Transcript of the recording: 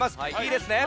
いいですね？